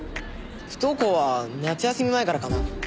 不登校は夏休み前からかな。